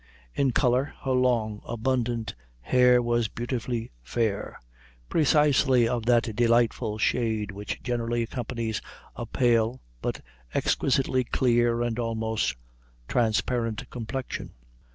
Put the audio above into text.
In color, her long, abundant hair was beautifully fair precisely of that delightful shade which generally accompanies a pale but exquisitely clear and almost transparent complexion.